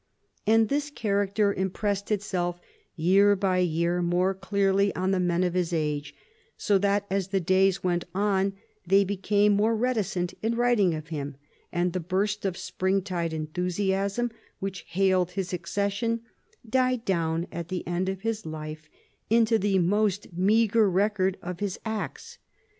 And this character im pressed itself year by year more clearly on the men of his age, so that as the days went on they became more reticent in writing of him, and the burst of spring tide enthusiasm which hailed his accession died down at the end of his life into the most meagre record of his acts.